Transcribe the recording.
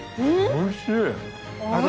おいしい！